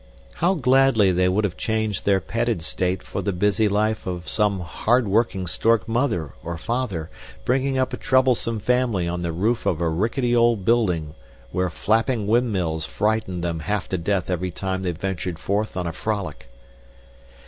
How gladly they would have changed their petted state for the busy life of some hardworking stork mother or father, bringing up a troublesome family on the roof of a rickety old building where flapping wind mills frightened them half to death every time they ventured forth on a frolic!